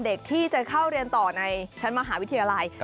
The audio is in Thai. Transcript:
เด็กที่จะเข้าเรียนต่อในชั้นมหาวิทยาลัย